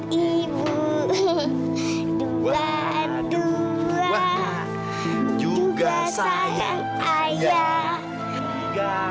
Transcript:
satu satu aku sayang ibu